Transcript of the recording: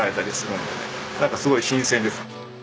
なんかすごい新鮮です。